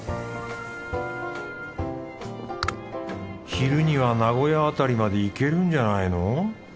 昼には名古屋あたりまで行けるんじゃないの？